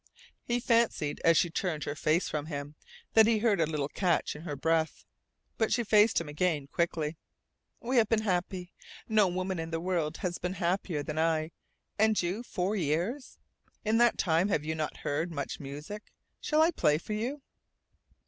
He fancied, as she turned her face from him, that he heard a little catch in her breath. But she faced him again quickly. "We have been happy. No woman in the world has been happier than I. And you four years? In that time you have not heard much music. Shall I play for you?"